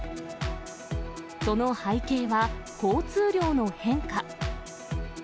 その背景は、交通量の変化。